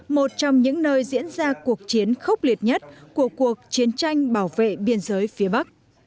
một trong những nơi diễn ra cuộc chiến khốc liệt nhất của cuộc chiến tranh bảo vệ biên giới phía bắc